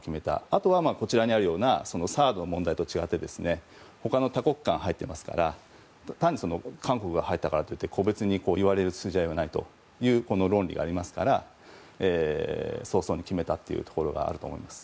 あとは、こちらにあるようなＴＨＡＡＤの問題とは違って他の多国間が入っていますから単に韓国が入ったからといって個別に言われる筋合いはないという論理がありますから早々に決めたというところがあると思います。